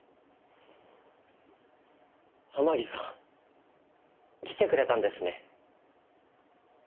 天樹さん来てくれたんですね。